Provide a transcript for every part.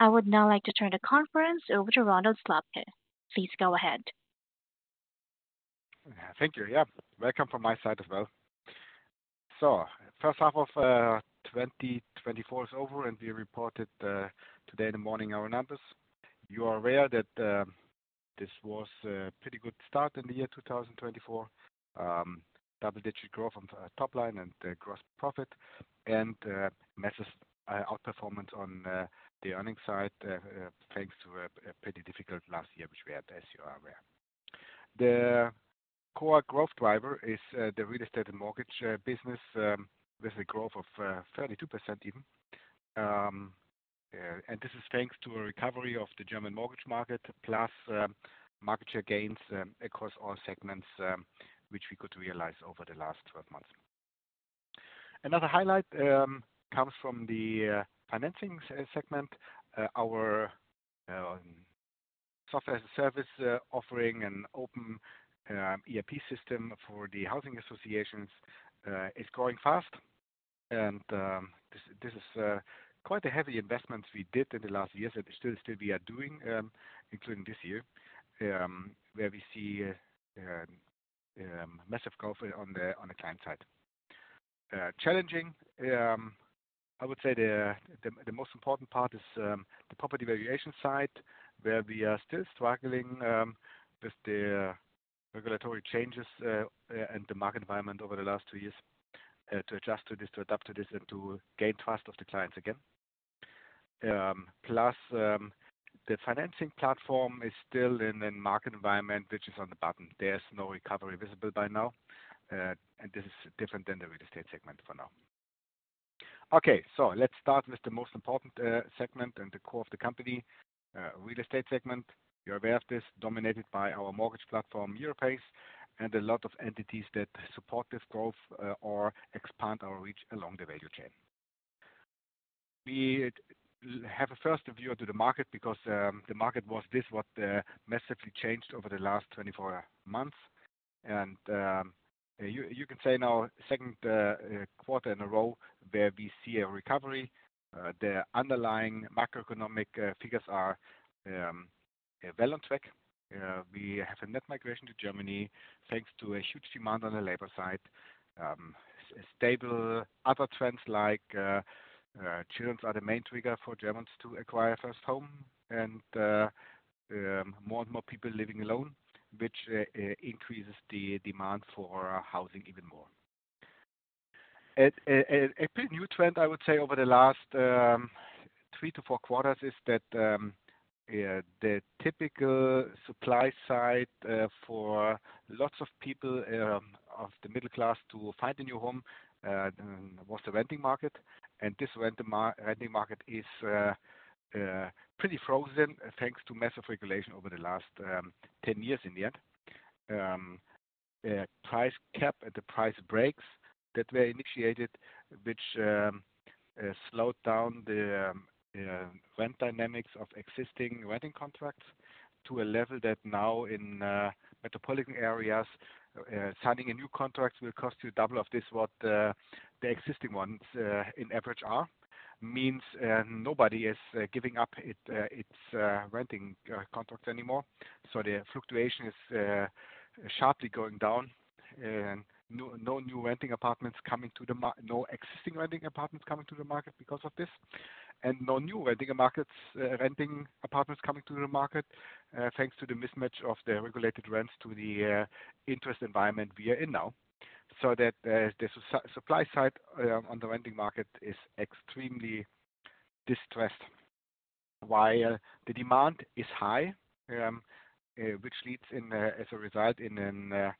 I would now like to turn the conference over to Ronald Slabke. Please go ahead. Thank you. Yeah, welcome from my side as well. So first half of 2024 is over, and we reported today in the morning our numbers. You are aware that this was a pretty good start in the year 2024. Double-digit growth on top line and gross profit and massive outperformance on the earnings side, thanks to a pretty difficult last year, which we had, as you are aware. The core growth driver is the real estate and mortgage business, with a growth of 32% even. And this is thanks to a recovery of the German mortgage market, plus market share gains across all segments, which we could realize over the last 12 months. Another highlight comes from the financing segment. Our software as a service offering and open ERP system for the housing associations is growing fast. This is quite a heavy investment we did in the last years, and still we are doing including this year, where we see massive growth on the client side. Challenging, I would say the most important part is the property valuation side, where we are still struggling with the regulatory changes and the market environment over the last two years to adjust to this, to adapt to this, and to gain trust of the clients again. Plus, the financing platform is still in a market environment, which is on the bottom. There's no recovery visible by now, and this is different than the real estate segment for now. Okay, so let's start with the most important segment and the core of the company, real estate segment. You're aware of this, dominated by our mortgage platform, Europace, and a lot of entities that support this growth or expand our reach along the value chain. We have a first view to the market because the market was this what massively changed over the last 24 months. You can say now, second quarter in a row where we see a recovery. The underlying macroeconomic figures are well on track. We have a net migration to Germany, thanks to a huge demand on the labor side. Stable other trends like children are the main trigger for Germans to acquire first home and more and more people living alone, which increases the demand for housing even more. A pretty new trend, I would say, over the last three to four quarters is that the typical supply side for lots of people of the middle class to find a new home was the renting market. And this renting market is pretty frozen, thanks to massive regulation over the last 10 years in the end. Price cap and the price breaks that were initiated, which slowed down the rent dynamics of existing renting contracts to a level that now in metropolitan areas, signing a new contract will cost you double of this, what the existing ones in average are. Means nobody is giving up its renting contract anymore. So the fluctuation is sharply going down and no new renting apartments coming to the market, no existing renting apartments coming to the market because of this, and no new renting apartments coming to the market, thanks to the mismatch of the regulated rents to the interest environment we are in now. So that the supply side on the renting market is extremely distressed, while the demand is high, which leads in, as a result, in a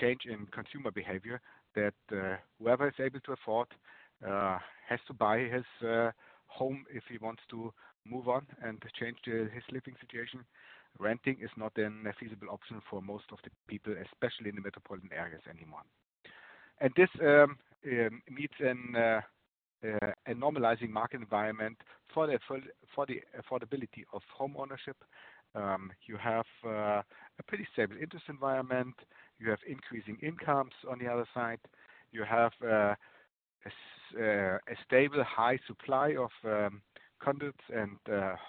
change in consumer behavior that whoever is able to afford has to buy his home if he wants to move on and change his living situation. Renting is not then a feasible option for most of the people, especially in the metropolitan areas anymore. This meets a normalizing market environment for the affordability of homeownership. You have a pretty stable interest environment. You have increasing incomes on the other side. You have a stable, high supply of condos and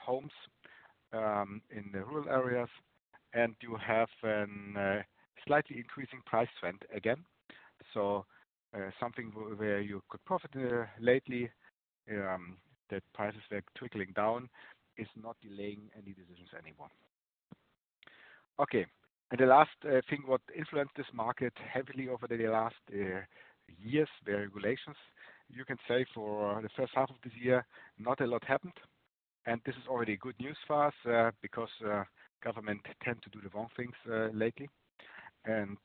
homes in the rural areas, and you have a slightly increasing price trend again. So, something where you could profit lately, that prices were trickling down is not delaying any decisions anymore. Okay, and the last thing what influenced this market heavily over the last years, the regulations. You can say for the first half of this year, not a lot happened, and this is already good news for us, because government tend to do the wrong things lately. And,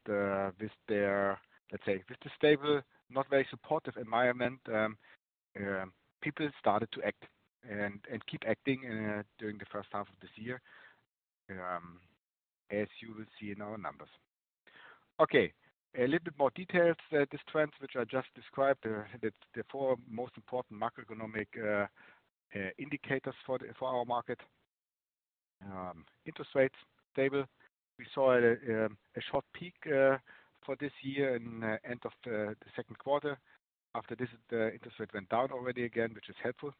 with their, let's say, with the stable, not very supportive environment, people started to act and keep acting during the first half of this year, as you will see in our numbers. Okay, a little bit more details, these trends, which I just described, the four most important macroeconomic indicators for the, for our market. Interest rates stable. We saw a short peak for this year in end of the second quarter. After this, the interest rate went down already again, which is helpful.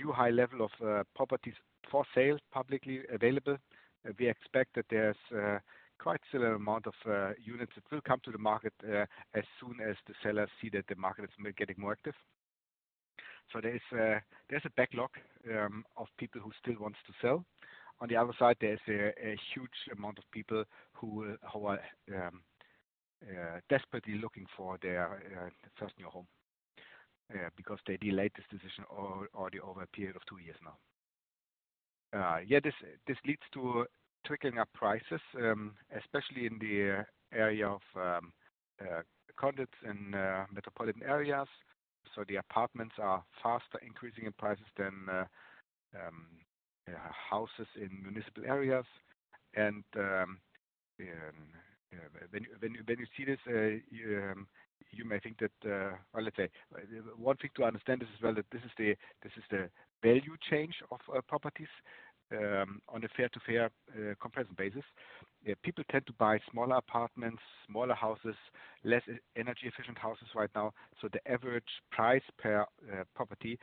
New high level of properties for sale, publicly available. We expect that there's quite similar amount of units that will come to the market as soon as the sellers see that the market is getting more active. So there's a backlog of people who still wants to sell. On the other side, there's a huge amount of people who are desperately looking for their first new home because they delayed this decision already over a period of two years now. Yeah, this leads to tweaking up prices especially in the area of condominiums in metropolitan areas. So the apartments are faster increasing in prices than houses in metropolitan areas. When you see this, you may think that, or let's say, one thing to understand this as well, that this is the value change of properties on a fair-to-fair comparison basis. People tend to buy smaller apartments, smaller houses, less energy-efficient houses right now. So the average price per property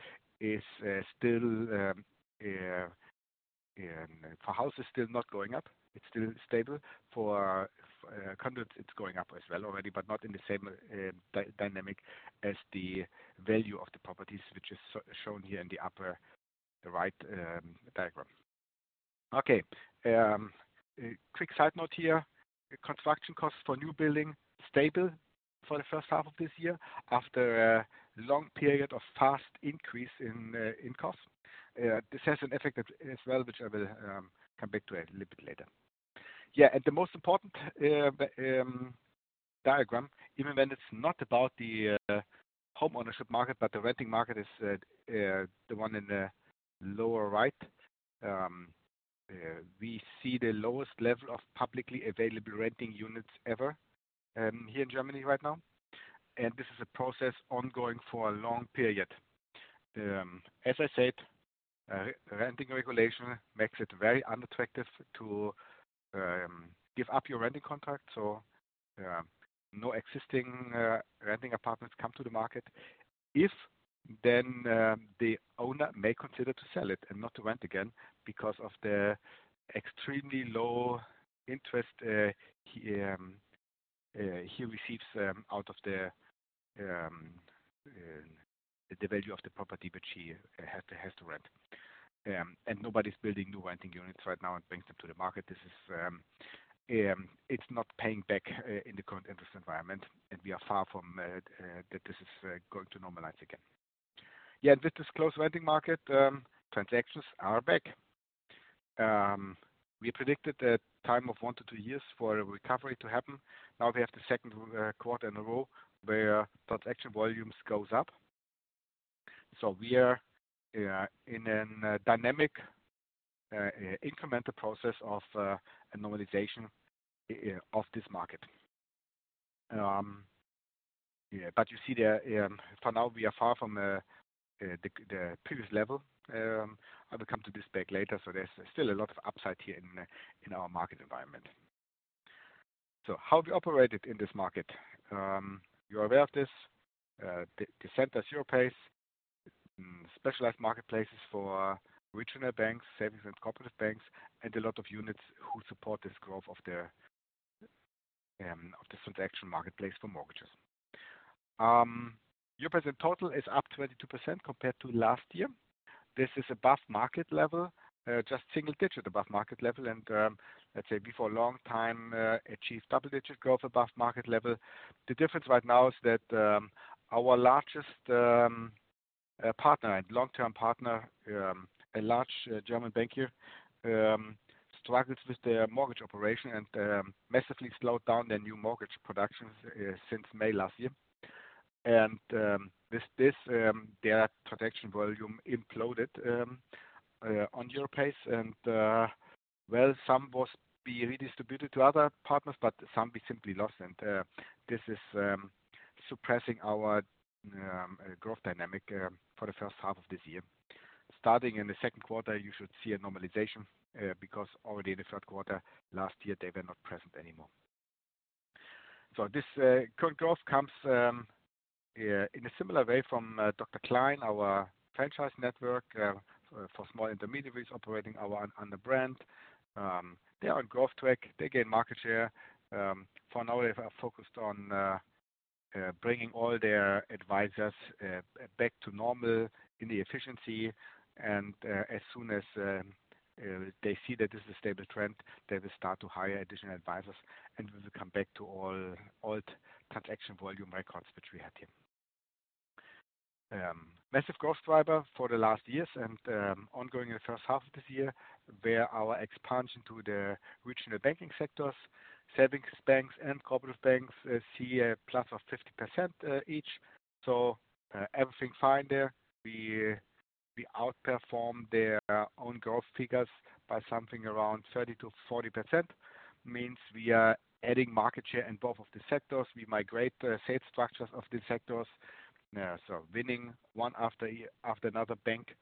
is still for houses still not going up. It's still stable. For condominiums, it's going up as well already, but not in the same dynamic as the value of the properties, which is so shown here in the upper right diagram. Okay, a quick side note here. Construction costs for new building, stable for the first half of this year, after a long period of fast increase in cost. This has an effect as well, which I will come back to a little bit later. Yeah, and the most important diagram, even when it's not about the home ownership market, but the renting market is the one in the lower right. We see the lowest level of publicly available renting units ever, here in Germany right now, and this is a process ongoing for a long period. As I said, renting regulation makes it very unattractive to give up your renting contract. So, no existing renting apartments come to the market. If then, the owner may consider to sell it and not to rent again because of the extremely low interest he receives out of the value of the property, which he has to rent. And nobody's building new renting units right now and brings them to the market. This is, it's not paying back in the current interest environment, and we are far from that this is going to normalize again. Yeah, and with this close renting market, transactions are back. We predicted a time of one to two years for a recovery to happen. Now, we have the second quarter in a row where transaction volumes goes up. So we are in a dynamic incremental process of a normalization of this market. Yeah, but you see there, for now, we are far from the previous level. I will come to this back later. So there's still a lot of upside here in our market environment. So how have we operated in this market? You're aware of this, the Center Europace, specialized marketplaces for regional banks, savings and corporate banks, and a lot of units who support this growth of the transaction marketplace for mortgages. Europace total is up 22% compared to last year. This is above market level, just single digit above market level. And, let's say, before a long time, achieved double-digit growth above market level. The difference right now is that our largest partner and long-term partner, a large German bank here, struggled with their mortgage operation and massively slowed down their new mortgage productions since May last year. With this, their transaction volume imploded on Europace. Well, some was redistributed to other partners, but some was simply lost. This is suppressing our growth dynamic for the first half of this year. Starting in the second quarter, you should see a normalization because already in the third quarter last year, they were not present anymore. So this current growth comes in a similar way from Dr. Klein, our franchise network for small intermediaries operating on the brand. They are on growth track. They gain market share. For now, they've focused on bringing all their advisors back to normal in the efficiency. And as soon as they see that this is a stable trend, they will start to hire additional advisors, and we will come back to all old transaction volume records, which we had here. Massive growth driver for the last years and ongoing in the first half of this year, where our expansion to the regional banking sectors, savings banks and corporate banks, see a plus of 50% each. So everything fine there. We outperform their own growth figures by something around 30%-40%, means we are adding market share in both of the sectors. We migrate the sales structures of the sectors, so winning one after another bank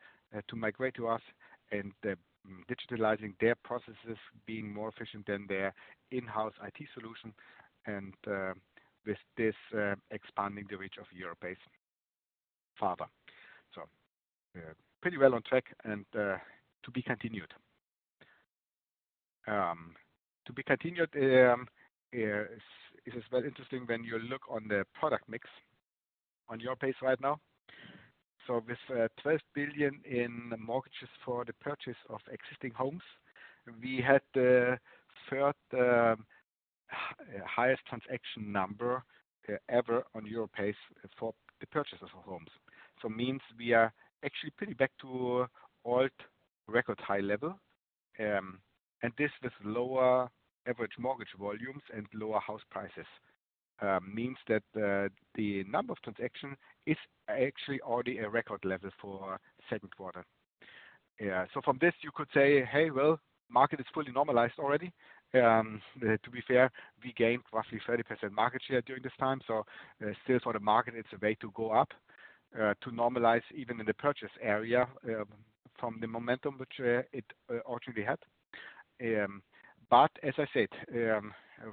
to migrate to us and digitalizing their processes, being more efficient than their in-house IT solution, and with this expanding the reach of Europace farther. So we're pretty well on track, and to be continued. To be continued, it is very interesting when you look on the product mix on Europace right now. So with 12 billion in mortgages for the purchase of existing homes, we had the third highest transaction number ever on Europace for the purchases of homes. So means we are actually pretty back to old record high level, and this with lower average mortgage volumes and lower house prices. Means that the number of transactions is actually already a record level for second quarter. Yeah, so from this, you could say, "Hey, well, market is fully normalized already." To be fair, we gained roughly 30% market share during this time, so still for the market, it's a way to go up, to normalize even in the purchase area, from the momentum which it originally had. But as I said,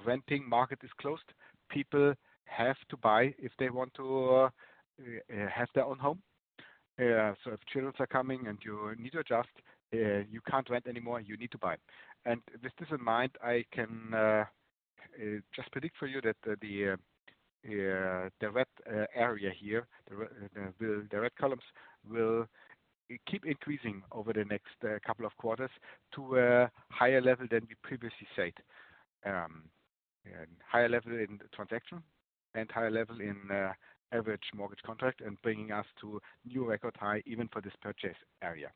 renting market is closed. People have to buy if they want to have their own home. So if children are coming and you need to adjust, you can't rent anymore, you need to buy. And with this in mind, I can just predict for you that the red area here, the red columns will keep increasing over the next couple of quarters to a higher level than we previously said. Higher level in transaction and higher level in average mortgage contract and bringing us to new record high, even for this purchase area.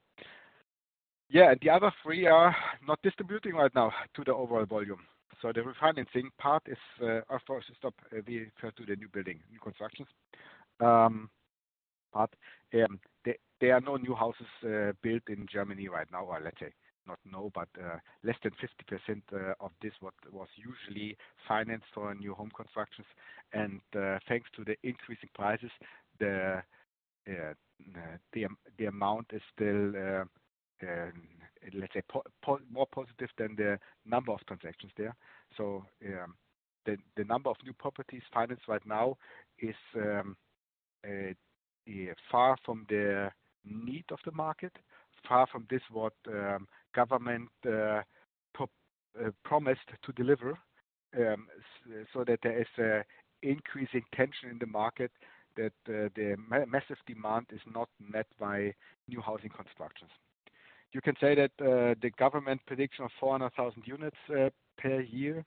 Yeah, and the other three are not distributing right now to the overall volume. So the refinancing part is, of course, stop, we refer to the new building, new constructions. But there are no new houses built in Germany right now. Well, let's say, not no, but less than 50% of this what was usually financed for new home constructions. And thanks to the increasing prices, the amount is still, let's say, more positive than the number of transactions there. So, the number of new properties financed right now is far from the need of the market, far from what government promised to deliver. So that there is an increasing tension in the market that the massive demand is not met by new housing constructions. You can say that the government prediction of 400,000 units per year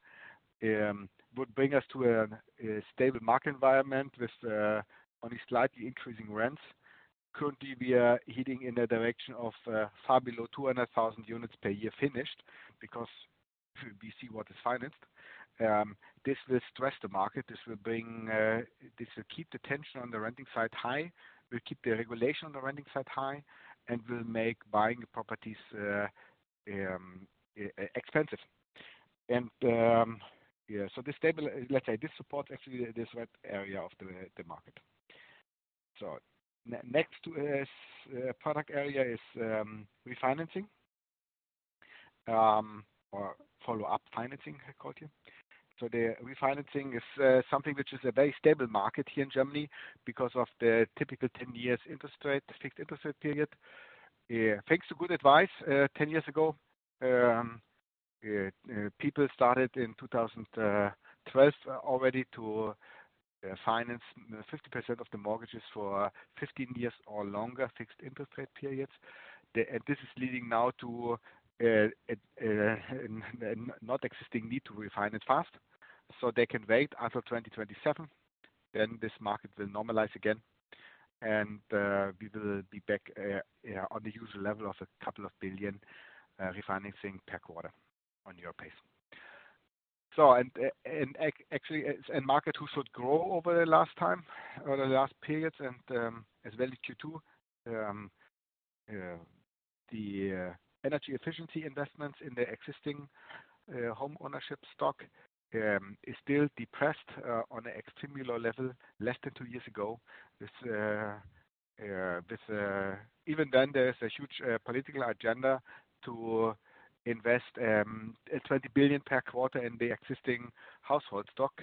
would bring us to a stable market environment with only slightly increasing rents. Currently, we are heading in a direction of far below 200,000 units per year finished because we see what is financed. This will stress the market. This will bring, this will keep the tension on the renting side high, will keep the regulation on the renting side high, and will make buying properties expensive. Yeah, this stable, let's say, this support actually this red area of the market. Next to this product area is refinancing or follow-up financing, I call here. The refinancing is something which is a very stable market here in Germany because of the typical 10-year interest rate, fixed interest rate period. Yeah, thanks to good advice 10 years ago, people started in 2012 already to finance 50% of the mortgages for 15 years or longer, fixed interest rate periods. And this is leading now to a not existing need to refinance fast, so they can wait until 2027, then this market will normalize again, and we will be back on the usual level of a couple of billion refinancing per quarter on Europace. Actually, it's a market who should grow over the last time or the last periods and as well as Q2. The energy efficiency investments in the existing home ownership stock is still depressed on an extremely low level, less than two years ago. Even then, there is a huge political agenda to invest 20 billion per quarter in the existing household stock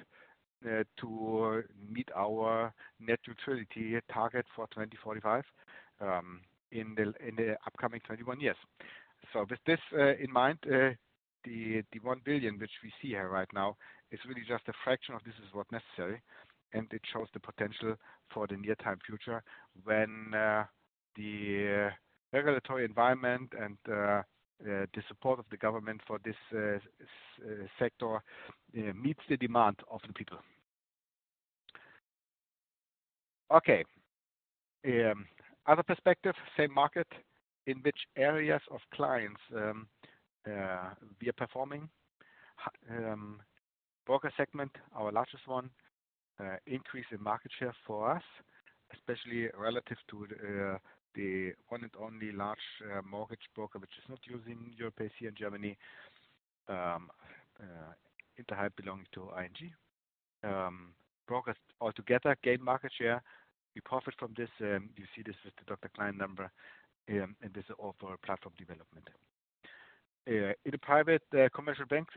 to meet our net neutrality target for 2045 in the upcoming 21 years. So with this in mind, the 1 billion, which we see here right now, is really just a fraction of this is what necessary, and it shows the potential for the near-time future when the regulatory environment and the support of the government for this sector meets the demand of the people. Okay, other perspective, same market, in which areas of clients we are performing? Broker segment, our largest one, increase in market share for us, especially relative to the one and only large mortgage broker, which is not using Europace here in Germany, Interhyp belonging to ING. Brokers altogether gain market share. We profit from this, you see this with the Dr. Klein client number, and this is all for platform development. In the private commercial bank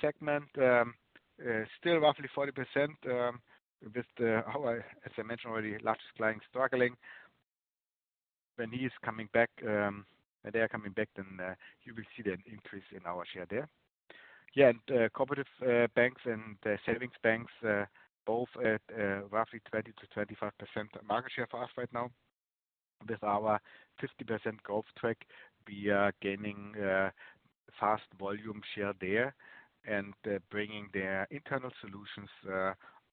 segment, still roughly 40%, with the our, as I mentioned already, largest client struggling. When he is coming back, they are coming back, then, you will see the increase in our share there. Yeah, and, cooperative banks and savings banks, both at, roughly 20%-25% market share for us right now. With our 50% growth track, we are gaining, fast volume share there and, bringing their internal solutions,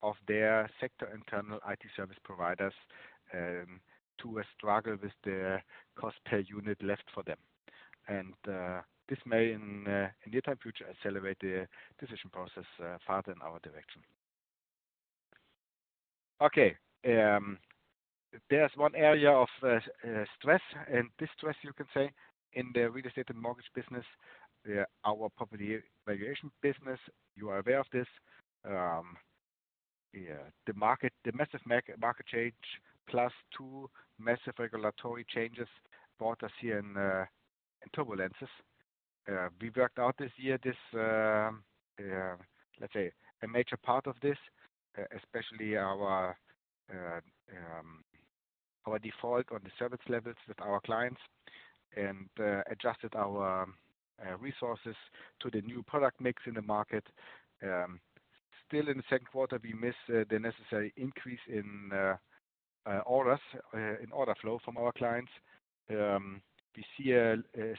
of their sector internal IT service providers, to a struggle with their cost per unit left for them. And, this may in, in the near time future, accelerate the decision process, further in our direction. Okay, there's one area of stress and distress you can say, in the real estate and mortgage business, our property valuation business, you are aware of this. Yeah, the market, the massive market change, plus two massive regulatory changes brought us here in turbulences. We worked out this year, this, let's say, a major part of this, especially our default on the service levels with our clients and adjusted our resources to the new product mix in the market. Still in the second quarter, we miss the necessary increase in orders, in order flow from our clients. We see a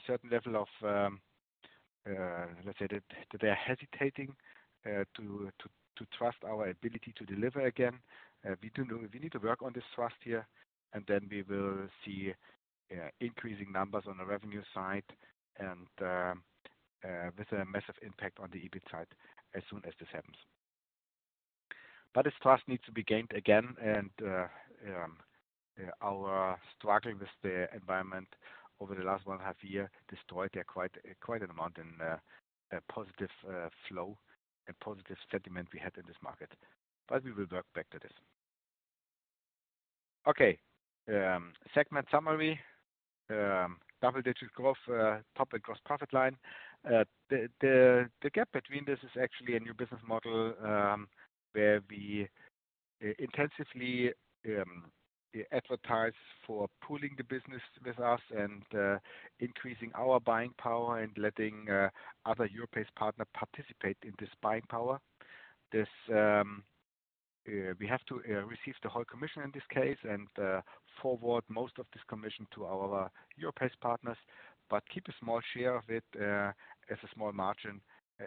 certain level of, let's say, that they are hesitating to trust our ability to deliver again. We do know we need to work on this trust here, and then we will see increasing numbers on the revenue side and with a massive impact on the EBIT side as soon as this happens. But this trust needs to be gained again, and our struggling with the environment over the last one half year destroyed quite an amount in a positive flow and positive sentiment we had in this market. But we will work back to this. Okay, segment summary. Double-digit growth top and gross profit line. The gap between this is actually a new business model where we intensively advertise for pooling the business with us and increasing our buying power and letting other Europace partner participate in this buying power. This, we have to receive the whole commission in this case and forward most of this commission to our Europe-based partners, but keep a small share of it as a small margin,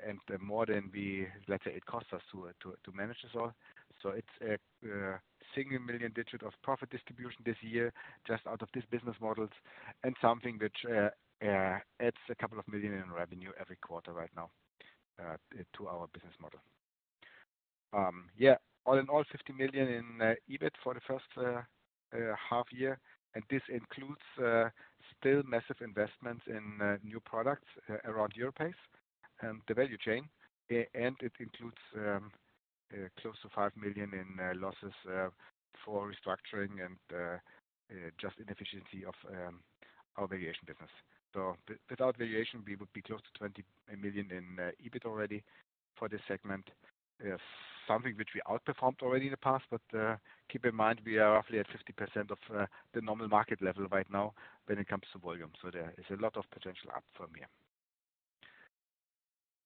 and more than we, let's say, it costs us to manage this all. So it's a single-digit million of profit distribution this year, just out of this business model, and something which adds a couple of million in revenue every quarter right now to our business model. Yeah, all in all, 50 million in EBIT for the first half year, and this includes still massive investments in new products around Europace and the value chain, and it includes close to 5 million in losses for restructuring and just inefficiency of our valuation business. So without valuation, we would be close to 20 million in EBIT already for this segment. Something which we outperformed already in the past, but keep in mind, we are roughly at 50% of the normal market level right now when it comes to volume. So there is a lot of potential up from here.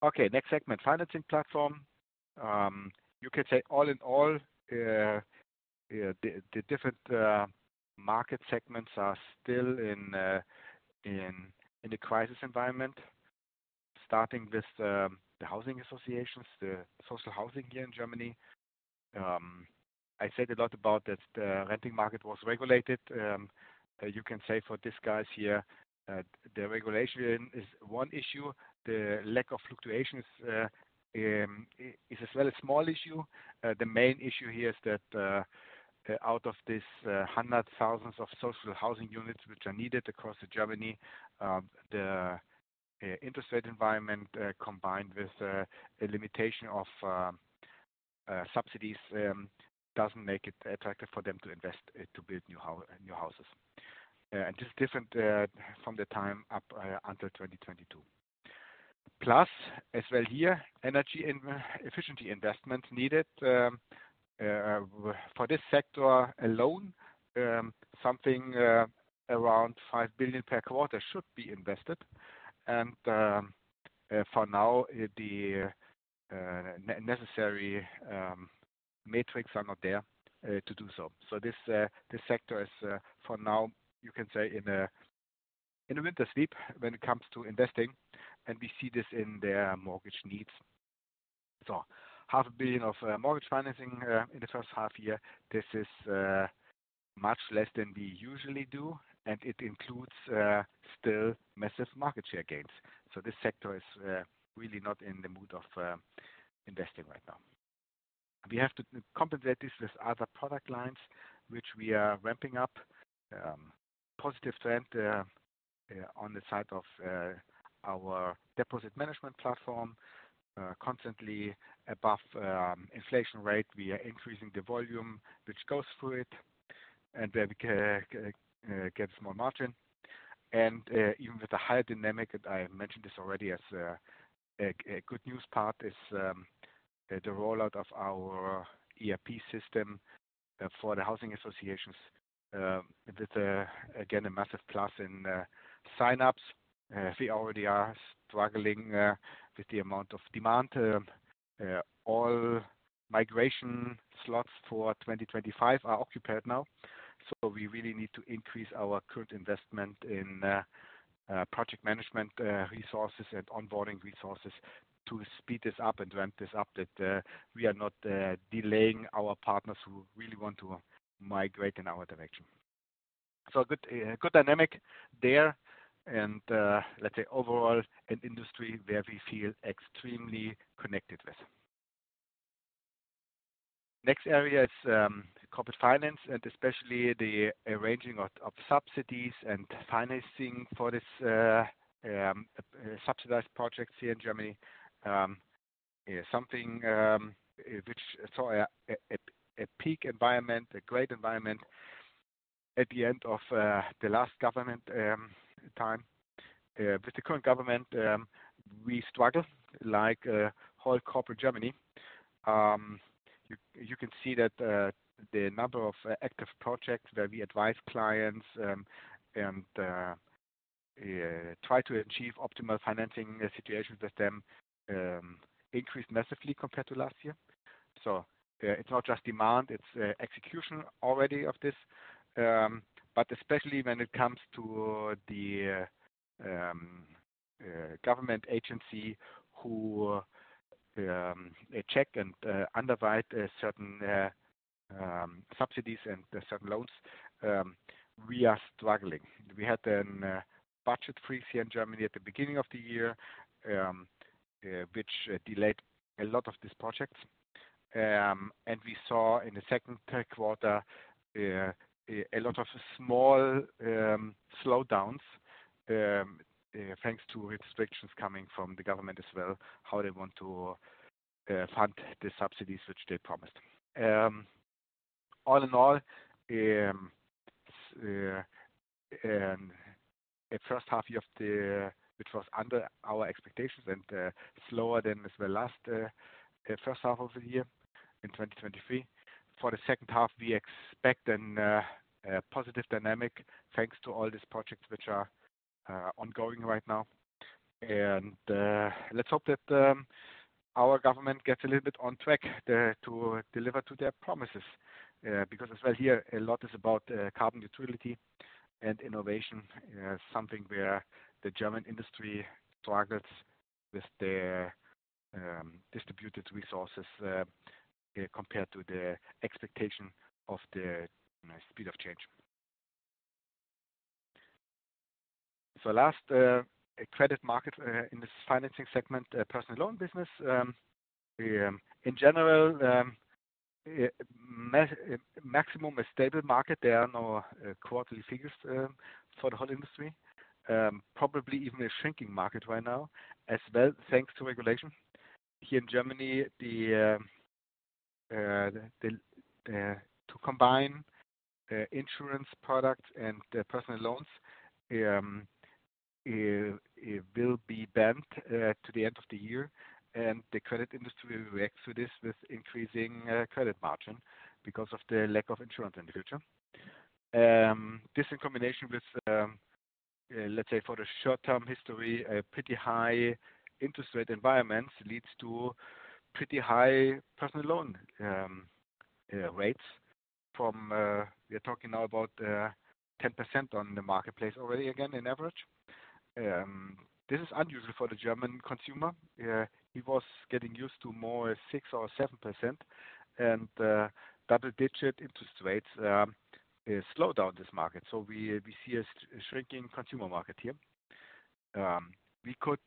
Okay, next segment, financing platform. You could say all in all, the different market segments are still in a crisis environment, starting with the housing associations, the social housing here in Germany. I said a lot about that the renting market was regulated. You can say for these guys here, the regulation is one issue, the lack of fluctuations is as well a small issue. The main issue here is that, out of this hundreds of thousands of social housing units, which are needed across Germany, the interest rate environment, combined with a limitation of subsidies, doesn't make it attractive for them to invest to build new houses. And this is different from the time up until 2022. Plus, as well here, energy and efficiency investment needed for this sector alone, something around 5 billion per quarter should be invested. And for now, the necessary metrics are not there to do so. So this sector is, for now, you can say, in a winter sleep when it comes to investing, and we see this in their mortgage needs. So 500 million of mortgage financing in the first half year, this is much less than we usually do, and it includes still massive market share gains. So this sector is really not in the mood of investing right now. We have to compensate this with other product lines, which we are ramping up. Positive trend on the side of our deposit management platform, constantly above inflation rate. We are increasing the volume, which goes through it, and then we can get more margin. And even with the higher dynamic, I mentioned this already as a good news part is the rollout of our ERP system for the housing associations. That again a massive plus in sign-ups. We already are struggling with the amount of demand. All migration slots for 2025 are occupied now. So we really need to increase our current investment in project management resources and onboarding resources to speed this up and ramp this up, that we are not delaying our partners who really want to migrate in our direction. So good, good dynamic there, and let's say, overall, an industry where we feel extremely connected with. Next area is corporate finance, and especially the arranging of subsidies and financing for this subsidized projects here in Germany. Something which saw a peak environment, a great environment at the end of the last government time. With the current government, we struggle like whole corporate Germany. You can see that the number of active projects where we advise clients and try to achieve optimal financing situations with them increased massively compared to last year. So, it's not just demand, it's execution already of this. But especially when it comes to the government agency who check and underwrite certain subsidies and certain loans, we are struggling. We had a budget freeze here in Germany at the beginning of the year, which delayed a lot of these projects. And we saw in the second quarter a lot of small slowdowns thanks to restrictions coming from the government as well, how they want to fund the subsidies, which they promised. All in all, the first half year of the, which was under our expectations and, slower than as well, last, first half of the year in 2023. For the second half, we expect a positive dynamic, thanks to all these projects which are, ongoing right now. And, let's hope that, our government gets a little bit on track, to deliver to their promises, because as well here, a lot is about, carbon neutrality and innovation. Something where the German industry struggles with their, distributed resources, compared to the expectation of the speed of change. So last, credit market, in this financing segment, personal loan business. In general, maximum a stable market. There are no quarterly figures, for the whole industry. Probably even a shrinking market right now as well, thanks to regulation. Here in Germany, to combine insurance products and personal loans, it will be banned to the end of the year, and the credit industry will react to this with increasing credit margin because of the lack of insurance in the future. This in combination with, let's say, for the short-term history, a pretty high interest rate environment leads to pretty high personal loan rates from we are talking now about 10% on the marketplace already, again, in average. This is unusual for the German consumer. He was getting used to more 6% or 7%, and double-digit interest rates slow down this market. So we see a shrinking consumer market here. We could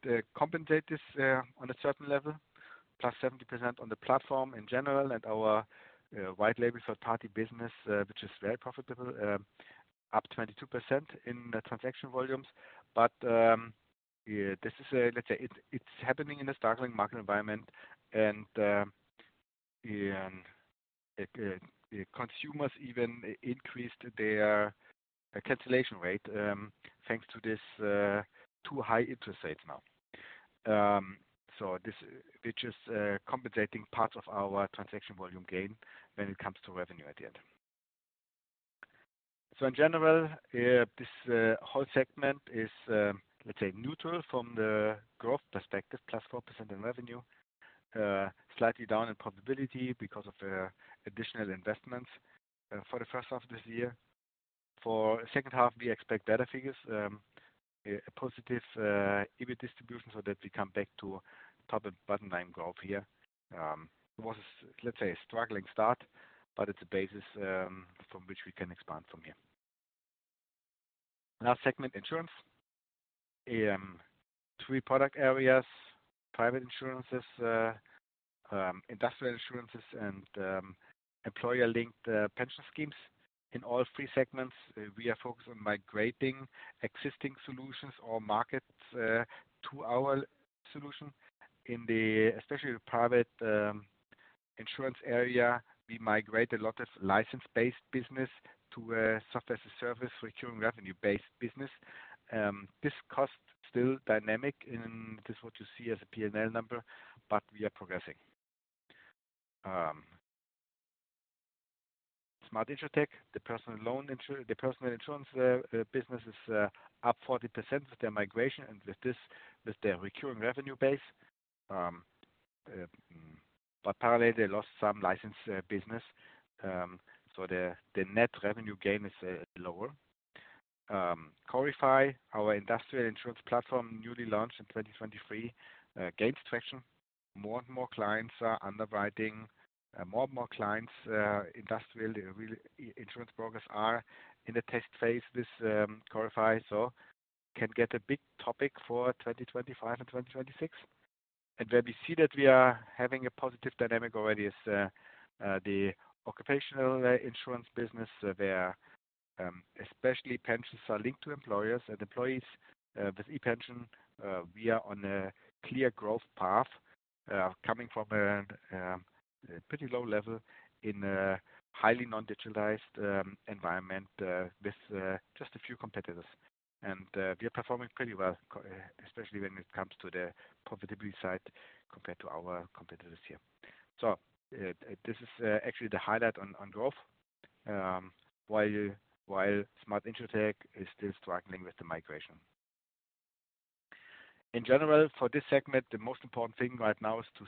compensate this on a certain level, +70% on the platform in general, and our white label for party business, which is very profitable, up 22% in the transaction volumes. But yeah, this is a, let's say it's happening in a struggling market environment, and yeah, consumers even increased their cancellation rate, thanks to this too high interest rates now. So this, which is compensating parts of our transaction volume gain when it comes to revenue at the end. So in general, this whole segment is let's say neutral from the growth perspective, +4% in revenue, slightly down in profitability because of the additional investments for the first half of this year. For second half, we expect better figures, a positive, EBIT distribution so that we come back to top and bottom line growth here. It was, let's say, a struggling start, but it's a basis, from which we can expand from here. Now, segment insurance. Three product areas: private insurances, industrial insurances, and, employer-linked, pension schemes. In all three segments, we are focused on migrating existing solutions or markets, to our solution. In the, especially the private, insurance area, we migrate a lot of license-based business to a software-as-a-service, recurring revenue-based business. This cost still dynamic, and this is what you see as a P&L number, but we are progressing. Smart InsurTech, the personal insurance business is up 40% with their migration and with this, with their recurring revenue base. But parallel, they lost some license business. So the net revenue gain is lower. Corify, our industrial insurance platform, newly launched in 2023, gains traction. More and more clients are underwriting. More and more clients, industrial reinsurance brokers are in the test phase. This Corify so can get a big topic for 2025 and 2026. And where we see that we are having a positive dynamic already is the occupational insurance business, where especially pensions are linked to employers and employees. With ePension, we are on a clear growth path, coming from a pretty low level in a highly non-digitalized environment, with just a few competitors. We are performing pretty well, especially when it comes to the profitability side, compared to our competitors here. This is actually the highlight on growth, while Smart InsurTech is still struggling with the migration. In general, for this segment, the most important thing right now is to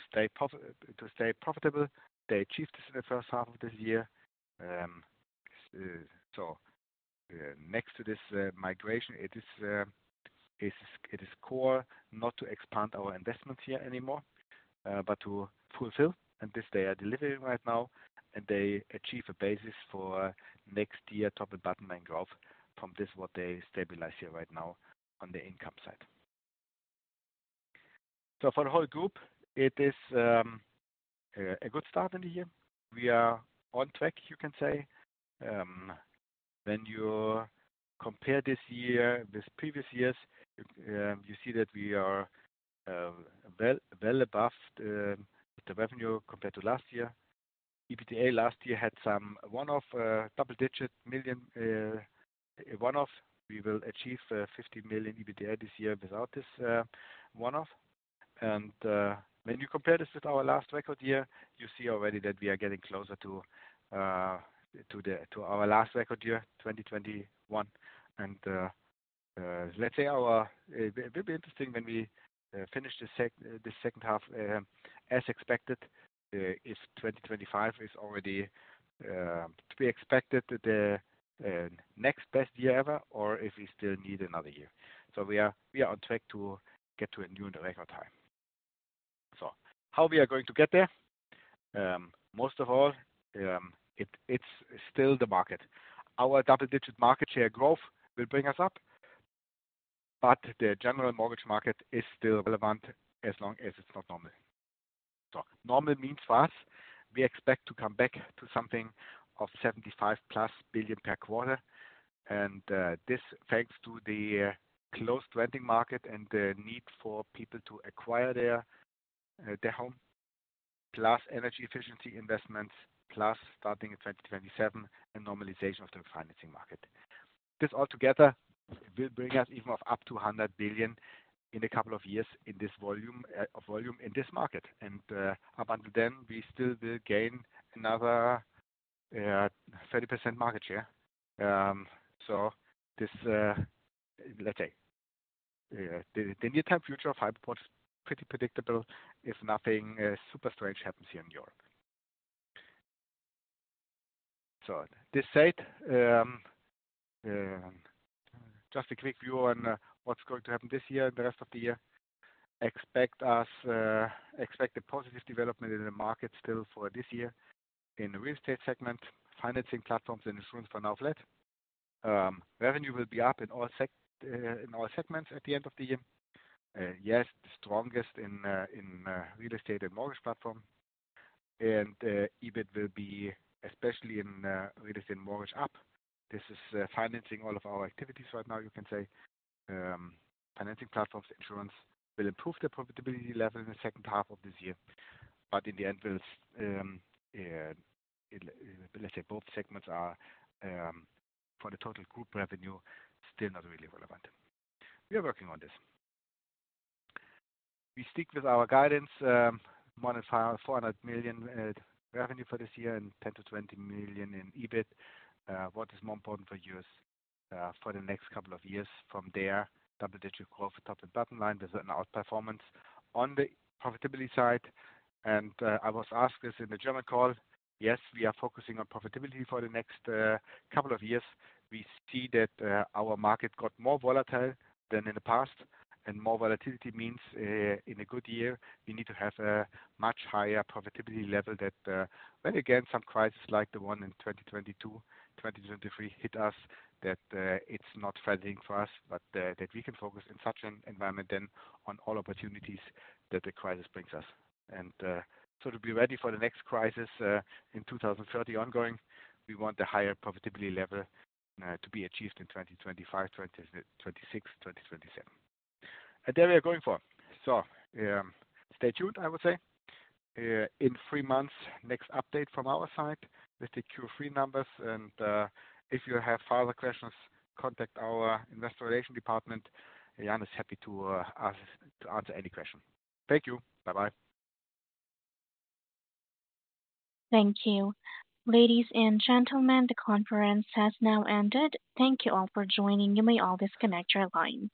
stay profitable. They achieved this in the first half of this year. So, next to this migration, it is core not to expand our investments here anymore, but to fulfill, and this they are delivering right now, and they achieve a basis for next year, top and bottom line growth from this, what they stabilize here right now on the income side. So for the whole group, it is a good start in the year. We are on track, you can say. When you compare this year with previous years, you see that we are well above the revenue compared to last year. EBITDA last year had some one-off, double-digit million one-off. We will achieve 50 million EBITDA this year without this one-off. When you compare this with our last record year, you see already that we are getting closer to our last record year, 2021. Let's say our, it will be interesting when we finish the second half, as expected, if 2025 is already to be expected, the next best year ever, or if we still need another year. We are on track to get to a new record high. So how are we going to get there? Most of all, it's still the market. Our double-digit market share growth will bring us up, but the general mortgage market is still relevant as long as it's not normal. Normal means for us, we expect to come back to something of 75+ billion per quarter. This, thanks to the closed rental market and the need for people to acquire their home, plus energy efficiency investments, plus starting in 2027, a normalization of the financing market. This all together will bring us even up to 100 billion in a couple of years in this volume in this market. And, up until then, we still will gain another 30% market share. So this, let's say, the near-term future of Hypoport is pretty predictable if nothing super strange happens here in Europe. That said, just a quick view on what's going to happen this year, the rest of the year. Expect a positive development in the market still for this year. In the real estate segment, financing platforms and insurance for now flat. Revenue will be up in all segments at the end of the year. Yes, the strongest in real estate and mortgage platform. EBIT will be, especially in real estate and mortgage up. This is financing all of our activities right now, you can say. Financing platforms, insurance will improve their profitability level in the second half of this year, but in the end, will, let's say both segments are for the total group revenue, still not really relevant. We are working on this. We stick with our guidance, 100 million-400 million revenue for this year and 10 million-20 million in EBIT. What is more important for us, for the next couple of years from there, double-digit growth, top and bottom line. There's an outperformance on the profitability side, and I was asked this in the general call. Yes, we are focusing on profitability for the next couple of years. We see that our market got more volatile than in the past, and more volatility means in a good year, we need to have a much higher profitability level that when, again, some crisis like the one in 2022, 2023 hit us, that it's not threatening for us, but that we can focus in such an environment then on all opportunities that the crisis brings us. And so to be ready for the next crisis in 2030 ongoing, we want the higher profitability level to be achieved in 2025, 2026, 2027. And there we are going for it. Stay tuned, I would say. In three months, next update from our side with the Q3 numbers. If you have further questions, contact our investor relations department. Jan is happy to answer any question. Thank you. Bye-bye. Thank you. Ladies and gentlemen, the conference has now ended. Thank you all for joining. You may all disconnect your lines.